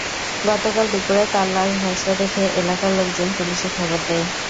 গতকাল পুকুরে তাঁর লাশ ভাসতে দেখে এলাকার লোকজন পুলিশে খবর দেয়।